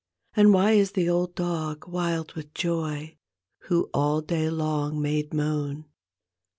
And why is the old dog wild with joy Who all day long made moan